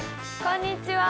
こんにちは！